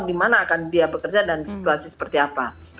di mana akan dia bekerja dan situasi seperti apa